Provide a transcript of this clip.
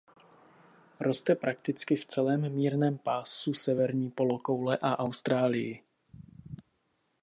Roste prakticky v celém mírném pásu severní polokoule a Austrálii.